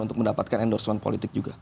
untuk mendapatkan endorsement politik juga